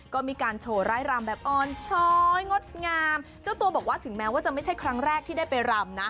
ก็มีการโชว์ไร่รำแบบอ่อนช้อยงดงามเจ้าตัวบอกว่าถึงแม้ว่าจะไม่ใช่ครั้งแรกที่ได้ไปรำนะ